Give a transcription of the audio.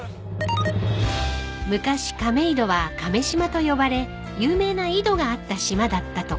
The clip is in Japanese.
［昔亀戸は亀島と呼ばれ有名な井戸があった島だったとか］